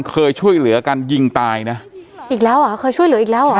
เคยช่วยเหลือการยิงตายนะอีกแล้วเหรอเคยช่วยเหลืออีกแล้วเหรอ